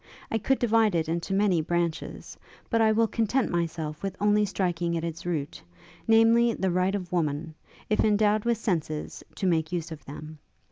I could divide it into many branches; but I will content myself with only striking at its root, namely, the Right of woman, if endowed with senses, to make use of them.